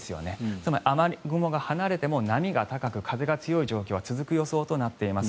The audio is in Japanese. つまり雨雲が離れても波が高く、風が強い状況は続く予想となっています。